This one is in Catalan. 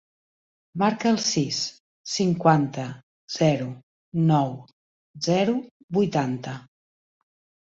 Marca el sis, cinquanta, zero, nou, zero, vuitanta.